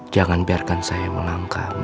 jangan biarkan saya melangkah